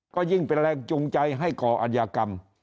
ก็ยิ่งเป็นแรงจูงใจให้ก่ออัญญากรรม